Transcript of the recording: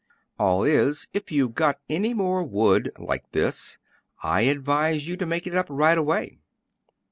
"All is, if you've got any more wood like this I advise you to make it up right away."